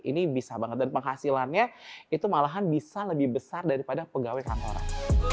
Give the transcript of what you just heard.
ini bisa banget dan penghasilannya itu malahan bisa lebih besar daripada pegawai kantoran